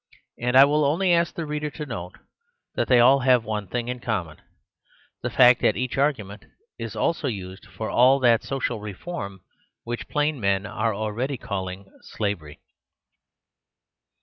And I will only ask the reader to note that they all have one thing in common ; the fact that each argument is also used for all that social reform which plain men are already calling slavery.